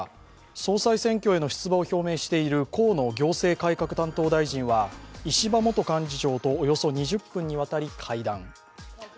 総裁選挙への出馬を表明している河野行政改革担当大臣は石破元幹事長とおよそ２０分にわたり会談。